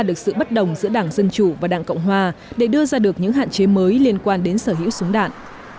được sự bất đồng giữa đảng dân chủ và đảng cộng hòa để đưa ra được những hạn chế mới liên quan đến sở hữu súng đạn